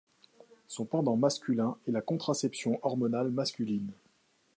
Son pendant masculin est la contraception hormonale masculine.